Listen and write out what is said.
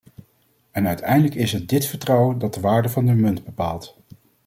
En uiteindelijk is het dit vertrouwen dat de waarde van de munt bepaalt.